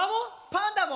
パンダも？